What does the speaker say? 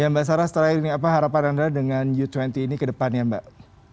ya mbak sarah setelah ini apa harapan anda dengan g dua puluh ini kedepannya mbak